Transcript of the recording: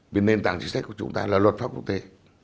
vì nền tảng chính sách của chúng ta là luật pháp quốc tế